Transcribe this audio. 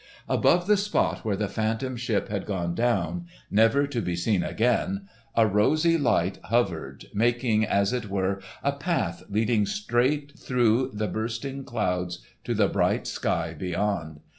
Above the spot where the Phantom Ship had gone down, never to be seen again, a rosy light hovered, making as it were a path leading straight through the bursting clouds to the bright sky beyond.